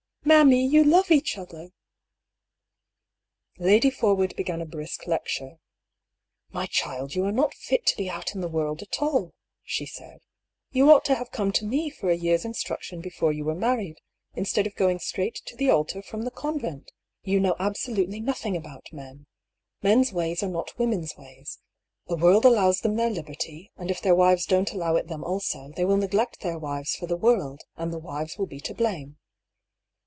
" Mammy, you love each other !" Lady Forwood began a brisk lecture :" My child, you are not fit to be out in the world at all," she said. " You ought to have come to me for a year's instruction before you were married, instead of going straight to the altar from the convent. You know absolutely nothing about men. Men's ways are not women's ways. The world allows them their lib erty ; and if their wives don't allow it them also, they will neglect their wives for the world, and the wives will be to blame."